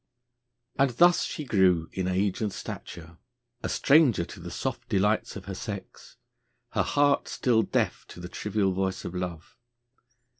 And thus she grew in age and stature, a stranger to the soft delights of her sex, her heart still deaf to the trivial voice of love.